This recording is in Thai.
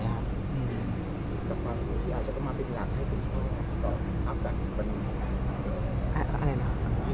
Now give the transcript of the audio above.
กับความสุขอยากจะต้องมาเป็นรักให้คนช่วยต่ออันตรายการของคุณ